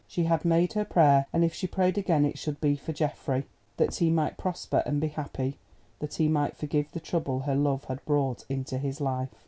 She had made her prayer, and if she prayed again it should be for Geoffrey, that he might prosper and be happy—that he might forgive the trouble her love had brought into his life.